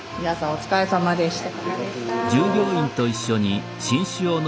お疲れさまでした。